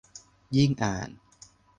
ยิ่งอ่าน